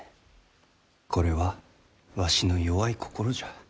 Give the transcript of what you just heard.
これはわしの弱い心じゃ。